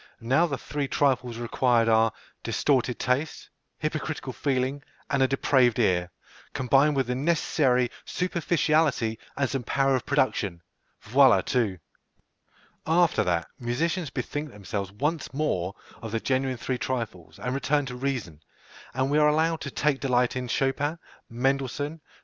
Now the three trifles required are distorted taste, hypocritical feeling, and a depraved ear, combined with the necessary superficiality and some power of production. Voilà tout! After that, musicians bethink themselves once more of the genuine three trifles, and return to reason, and we are allowed to take delight in Chopin, Mendelssohn, Fr.